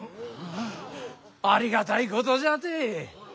ありがたいことじゃて。